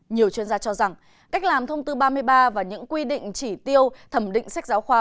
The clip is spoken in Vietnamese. nhiều chuyên gia cho rằng cách làm thông tư ba mươi ba và những quy định chỉ tiêu thẩm định sách giáo khoa